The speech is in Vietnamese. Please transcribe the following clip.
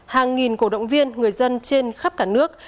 hàng nghìn cổ động viên người dân trên khắp cả nước